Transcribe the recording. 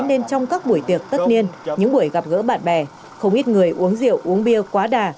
nên trong các buổi tiệc tất niên những buổi gặp gỡ bạn bè không ít người uống rượu uống bia quá đà